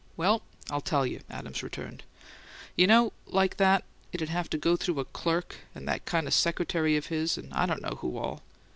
"Well, I'll tell you," Adams returned. "You know, like that, it'd have to go through a clerk and that secretary of his, and I don't know who all.